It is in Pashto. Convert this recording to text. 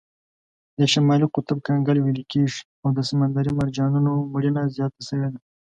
د شمالي قطب کنګل ویلې کیږي او د سمندري مرجانونو مړینه زیاته شوې ده.